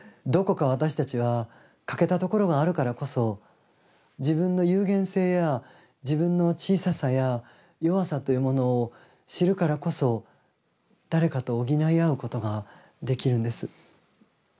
どこか私たちは欠けたところがあるからこそ自分の有限性や自分の小ささや弱さというものを知るからこそ誰かと補い合うことができるんです。